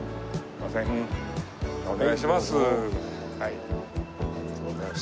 お願いします。